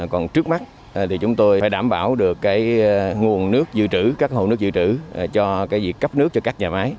còn trước mắt thì chúng tôi phải đảm bảo được cái nguồn nước dự trữ các hồ nước dự trữ cho cái việc cấp nước cho các nhà máy